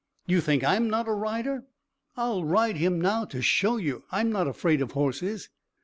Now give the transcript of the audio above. "You think I'm not a rider? I'll ride him now to show you! I'm not afraid of horses."